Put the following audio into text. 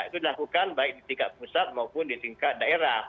itu dilakukan baik di tingkat pusat maupun di tingkat daerah